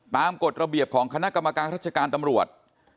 กฎระเบียบของคณะกรรมการรัชการตำรวจ